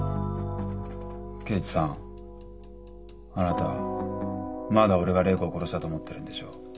刑事さんあなたまだ俺が礼子を殺したと思ってるんでしょ？